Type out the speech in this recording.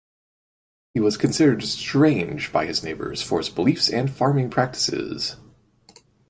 He was considered strange by his neighbors for his beliefs and farming practices.